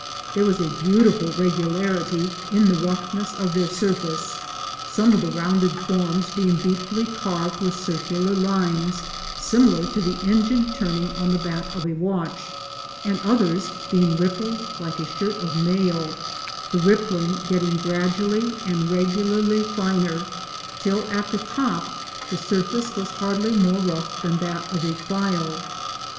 There was a beautiful regularity in the roughness of their surface, some of the rounded forms being deeply carved with circular lines, similar to the engine turning on the back of a watch, and others being rippled like a shirt of mail, the rippling getting gradually and regularly finer, till at the top the surface was hardly more rough than that of a file.